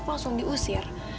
aku langsung diusir